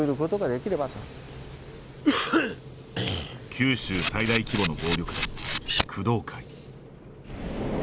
九州最大規模の暴力団、工藤会。